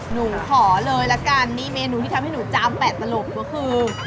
หนูขอเลยละกันนี่เมนูที่ทำให้หนูจามแปะตลกก็คือ